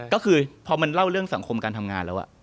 ก็คือพอมันเล่าเรื่องสังคมการทำงานแล้ว